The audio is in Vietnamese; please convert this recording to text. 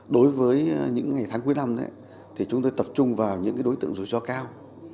đối với những ngày tháng cuối năm thì chúng tôi tập trung vào những đối tượng rủi ro cao